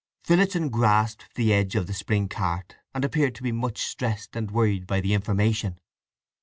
Phillotson grasped the edge of the spring cart, and appeared to be much stressed and worried by the information.